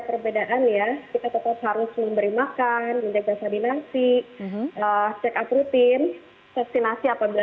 perbedaan ya kita tetap harus memberi makan menjaga staminasi check up rutin vaksinasi apabila